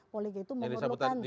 politik itu memerlukan